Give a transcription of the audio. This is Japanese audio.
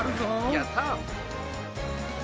やった。